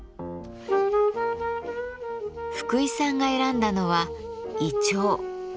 福井さんが選んだのはいちょう。